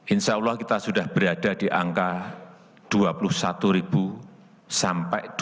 insyaallah kita sudah berada di angka rp dua puluh satu sampai rp dua puluh tujuh income per kapita